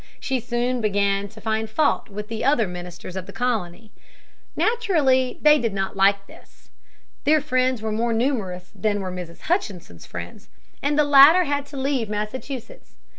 She soon began to find fault with the other ministers of the colony. Naturally, they did not like this. Their friends were more numerous than were Mrs. Hutchinson's friends, and the latter had to leave Massachusetts.